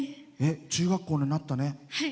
中学校になったね。